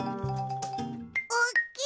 おっきい。